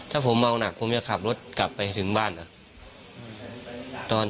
ถ้าผมเมาหนักผมจะขับรถกลับไปถึงบ้านเหรอ